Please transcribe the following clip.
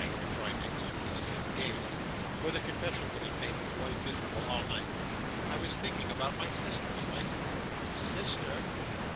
rejoined Nicholas, with assumed gaiety, for the confession would have made the boy miserable all night; 'I was thinking about my sister, Smike.' 'Sister!